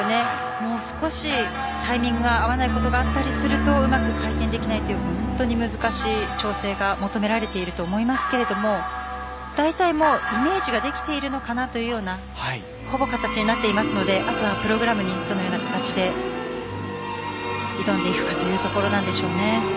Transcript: もう少しタイミングが合わないことがあったりするとうまく回転できないという本当に難しい調整が求められていると思いますがだいたいイメージができているのかなというようなほぼ形になっていますのであとはプログラムにどのような形で挑んでいくかというところなんでしょうね。